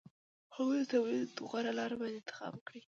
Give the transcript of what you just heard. هغوی د تولید غوره لار باید انتخاب کړي